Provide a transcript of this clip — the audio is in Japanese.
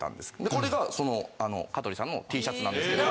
これがその香取さんのＴシャツなんですけど。